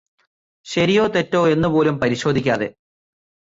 ശരിയോ തെറ്റോ എന്നു പോലും പരിശോധിക്കാതെ